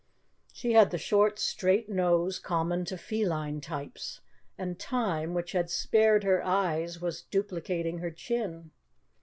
She had the short, straight nose common to feline types, and time, which had spared her eyes, was duplicating her chin.